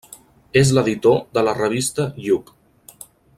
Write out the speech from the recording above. És l'editor de la Revista Lluc.